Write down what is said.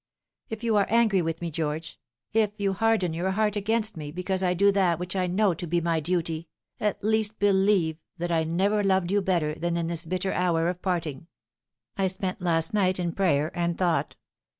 If you are angry with me, George if you harden your heart against me because I do that which I know to be my duty, at least believe that I never loved you better than in this bitter hour of parting. I spent last night in prayer and thought.